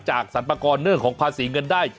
สรรพากรเรื่องของภาษีเงินได้